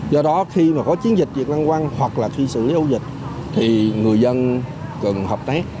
do đó khi mà có chiến dịch việc lăn quăng hoặc là khi xử lý ổ dịch thì người dân cần hợp tác